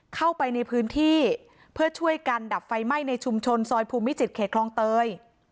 เข้าไปในพื้นที่เพื่อช่วยกันดับไฟไหม้ในชุมชนซอยภูมิจิตเขตคลองเตย